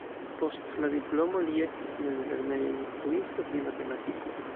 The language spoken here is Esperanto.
Post la diplomo li estis mezlerneja instruisto pri matematiko.